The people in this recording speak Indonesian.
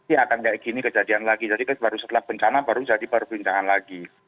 ya akan kayak gini kejadian lagi jadi baru setelah bencana baru jadi baru perbincangan lagi